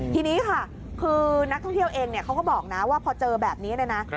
ทีนี้ค่ะคือนักท่องเที่ยวเองเขาก็บอกนะว่าพอเจอแบบนี้เนี่ยนะ